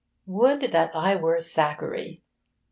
Would that I were Thackeray!